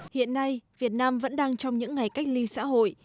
hiện nay việt nam vẫn đang trong những ngày cách ly xã hội